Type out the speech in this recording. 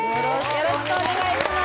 よろしくお願いします